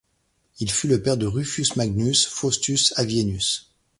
Il fut le père de Rufius Magnus Faustus Avienus.